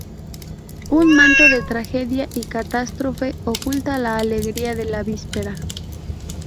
Un manto de tragedia y catástrofe oculta la alegría de la víspera.